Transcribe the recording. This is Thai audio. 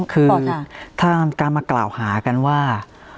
คือทางการมากล่าวหากันว่า